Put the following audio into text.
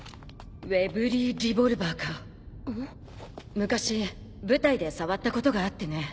昔舞台で触ったことがあってね。